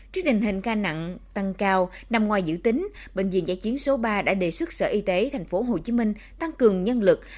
trước tình hình ca nặng tăng cao nằm ngoài dữ tính bệnh viện giải chiến số ba đã đề xuất sở y tế thành phố hồ chí minh tăng cường nhân lực